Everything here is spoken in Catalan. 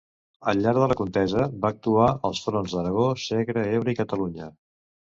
Al llarg de la contesa va actuar als fronts d'Aragó, Segre, Ebre i Catalunya.